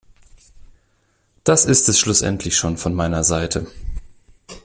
Das ist es schlussendlich schon von meiner Seite.